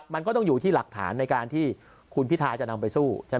มันก็ต้องอยู่ที่หลักฐานในการที่คุณพิทาจะนำไปสู้ใช่ไหม